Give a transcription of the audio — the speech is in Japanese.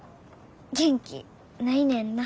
元気ないねんな。